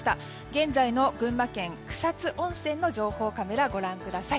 現在の群馬県草津の情報カメラをご覧ください。